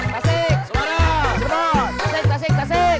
tasik tasik tasik